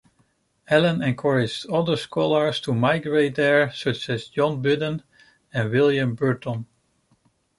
Allen encouraged other scholars to migrate there, such as John Budden and William Burton.